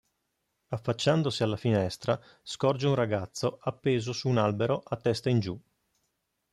Affacciandosi alla finestra scorge un ragazzo appeso su un albero a testa in giù.